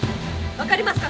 分かりますか？